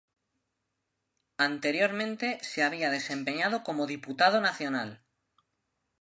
Anteriormente se había desempeñado como Diputado Nacional.